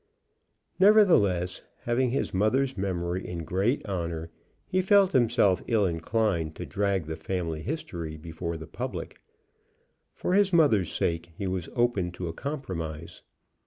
Nevertheless, having his mother's memory in great honor, he felt himself ill inclined to drag the family history before the public. For his mother's sake he was open to a compromise.